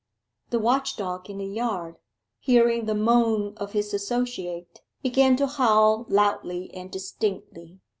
The watch dog in the yard, hearing the moan of his associate, began to howl loudly and distinctly.